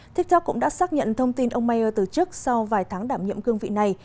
tiktok cũng đã xác nhận thông tin ông mayer tử chức sau vài tháng đảm nhiệm cương vị này